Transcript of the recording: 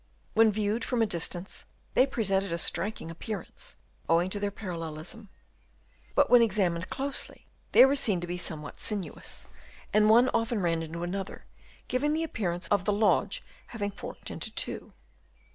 When viewed from a distance they presented a striking appearance, owing to their parallelism ; but when examined closely, they were seen to be somewhat sinuous, and one often ran into another, giving the appearance of the lodge having forked into two.